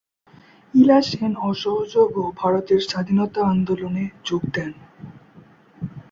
ইলা সেন অসহযোগ ও ভারতের স্বাধীনতা আন্দোলনের যোগ দেন।